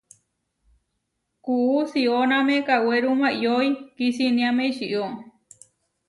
Kuú sióname kawéruma iʼyói kisiniáme ičió.